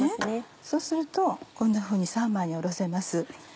そうするとこんなふうに三枚におろせます。